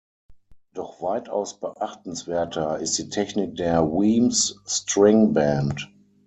Doch weitaus beachtenswerter ist die Technik der Weems String Band.